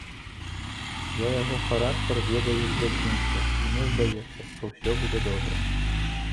Я яго характар ведаю з дзяцінства, мне здаецца, што ўсё будзе добра.